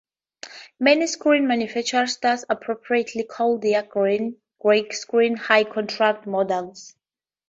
Many screen manufacturers thus appropriately call their grey screens "high-contrast" models.